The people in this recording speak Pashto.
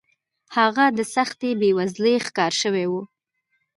هغه د سختې بېوزلۍ ښکار شوی و